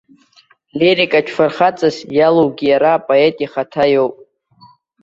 Лирикатә фырхаҵас иалоугьы иара апоет ихаҭа иоуп.